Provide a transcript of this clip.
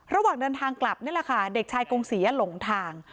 ระหว่างเดินทางกลับนี่แหละค่ะเด็กชายกงศรีหลงทาง